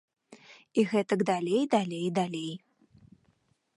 І гэтак далей, далей, далей.